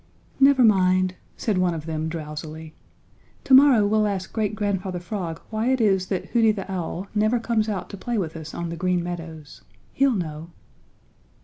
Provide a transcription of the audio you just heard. "Never mind," said one of them, drowsily, "to morrow we'll ask Great Grandfather Frog why it is that Hooty the Owl never comes out to play with us on the Green Meadows. He'll know."